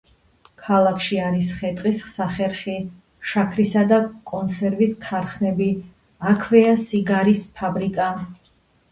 ქალაქში არის ხე-ტყის სახერხი, შაქრისა და კონსერვის ქარხნები; აქვეა სიგარის ფაბრიკა.